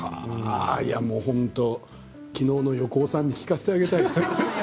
本当に昨日の横尾さんに聞かせてあげたいです。